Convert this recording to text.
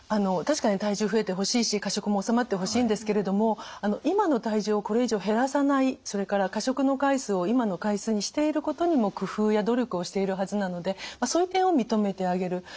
確かに体重増えてほしいし過食も治まってほしいんですけれども今の体重をこれ以上減らさないそれから過食の回数を今の回数にしていることにも工夫や努力をしているはずなのでそういう点を認めてあげる。